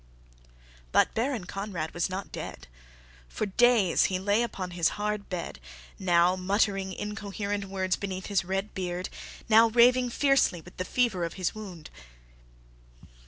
But Baron Conrad was not dead. For days he lay upon his hard bed, now muttering incoherent words beneath his red beard, now raving fiercely with the fever of his wound.